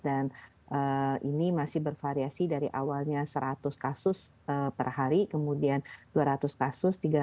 dan ini masih bervariasi dari awalnya seratus kasus per hari kemudian dua ratus kasus tiga ratus